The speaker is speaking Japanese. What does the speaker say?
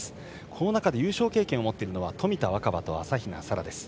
この中で優勝経験を持ってるのは冨田若春と朝比奈沙羅です。